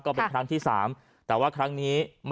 ปอล์กับโรเบิร์ตหน่อยไหมครับ